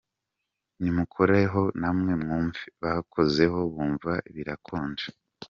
Nimukoreho namwe mwuve!” Bakozeho bumva birakonje!